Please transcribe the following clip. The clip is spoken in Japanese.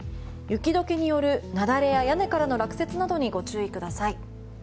雪解けによる雪崩や屋根からの落雪などにご注意ください。